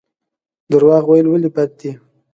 درواغ ویل ولې بد دي؟